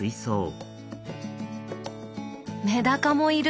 メダカもいる！